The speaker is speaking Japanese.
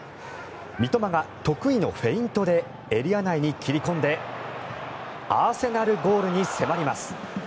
三笘が得意のフェイントでエリア内に切り込んでアーセナルゴールに迫ります。